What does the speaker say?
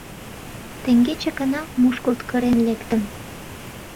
— Теҥгече гына мушкылт-кырен лектым.